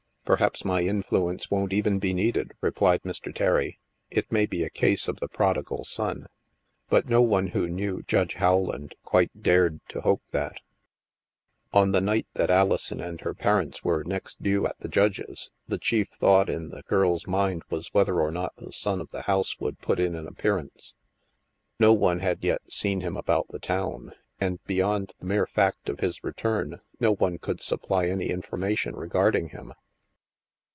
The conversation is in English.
" Perhaps my influence won't even be needed," re plied Mr. Terry ;" it may be a case of the Prodigal Son." But no one who knew Judge Rowland quite dared to hope that. STILL WATERS 67 On the night that Alison and her parents were next due at the Judge's, the chief thought in the girl's mind was whether or not the son of the house would put in an appearance. No one had yet seen him about the town, and beyond the mere fact of his return, no one could supply any information regard ing him.